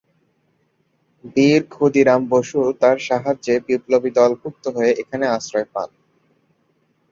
বীর ক্ষুদিরাম বসু তার সাহায্যে বিপ্লবী দলভুক্ত হয়ে এখানে আশ্রয় পান।